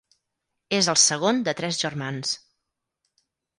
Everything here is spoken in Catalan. És el segon de tres germans.